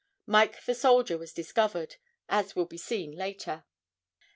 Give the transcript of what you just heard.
"Mike the Soldier" was discovered, as will be seen later.